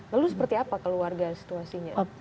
lalu seperti apa keluarga situasinya